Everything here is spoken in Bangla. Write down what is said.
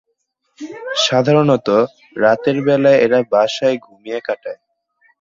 সাধারণত, রাতের বেলায় এরা বাসায় ঘুমিয়ে কাটায়।